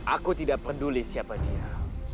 aku tidak peduli siapa dia